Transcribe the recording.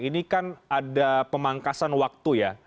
ini kan ada pemangkasan waktu ya